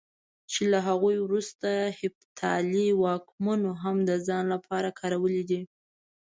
چې له هغوی وروسته هېپتالي واکمنو هم د ځان لپاره کارولی دی.